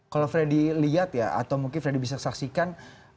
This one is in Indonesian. kalau freddy lihat ya atau mungkin freddy bisa saksikan